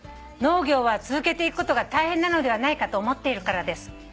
「農業は続けていくことが大変なのではないかと思っているからです」